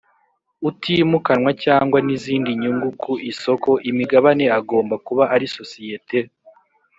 utimukanwa cyangwa n izindi nyungu ku isoko imigabane agomba kuba ari sosiyete